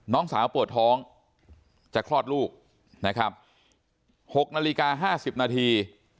น้องสาวเปิดท้องจะคลอดลูกนะครับหกนาฬิกาห้าสิบนาที